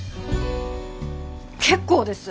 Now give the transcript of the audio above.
結構です。